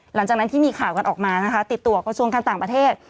หลังจากที่มีข่าวกันออกมานะคะติดตัวกระทรวงการต่างประเทศ